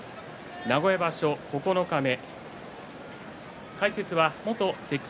名古屋場所九日目。